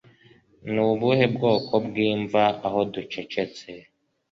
Ni ubuhe bwoko bwimva aho ducecetse